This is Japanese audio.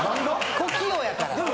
小器用やから。